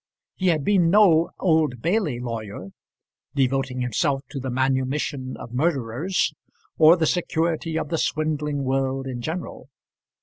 He had been no Old Bailey lawyer, devoting himself to the manumission of murderers, or the security of the swindling world in general.